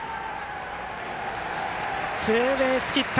ツーベースヒット。